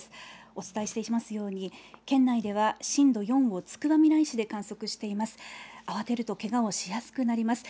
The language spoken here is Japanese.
お伝えしていますように、県内では震度４をつくばみらい市で観測しています。